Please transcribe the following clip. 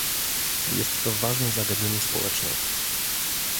Jest to ważne zagadnienie społeczne